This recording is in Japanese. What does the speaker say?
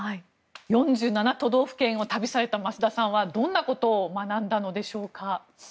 ４７都道府県を旅された益田さんはどんなことを学んだのでしょうか。